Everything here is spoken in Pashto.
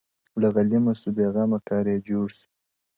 له غلیمه سو بېغمه کار یې جوړ سو-